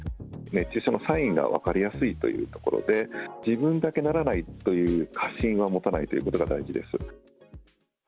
熱中症のサインが分かりやすいというところで自分だけならないという過信は持たないということが大事です。